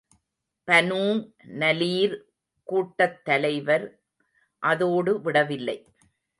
Banu நலீர் கூட்டத் தலைவர் அதோடு விடவில்லை.